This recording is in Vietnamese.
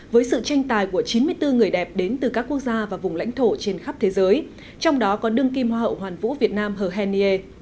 với sự tranh tài của chín mươi bốn người đẹp đến từ các quốc gia và vùng lãnh thổ trên khắp thế giới trong đó có đương kim hoa hậu hoàn vũ việt nam henry